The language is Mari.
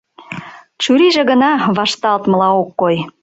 Чурийже гына вашталтмыла ок кой.